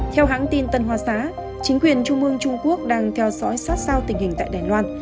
theo hãng tin tân hoa xá chính quyền trung mương trung quốc đang theo dõi sát sao tình hình tại đài loan